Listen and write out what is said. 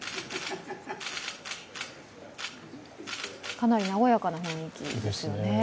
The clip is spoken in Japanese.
かなり和やかな雰囲気ですよね。